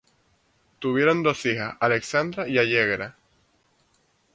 Tuvieron dos hijas, Alexandra y Allegra.